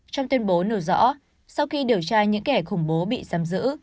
trong tuyên bố nêu rõ sau khi điều tra những kẻ khủng bố bị giam giữ